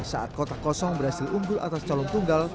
saat kota kosong berhasil unggul atas calon tunggal